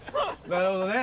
なるほどね。